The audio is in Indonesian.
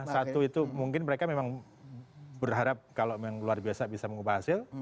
satu itu mungkin mereka memang berharap kalau memang luar biasa bisa mengubah hasil